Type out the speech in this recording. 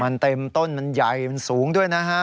มันเต็มต้นมันใหญ่มันสูงด้วยนะฮะ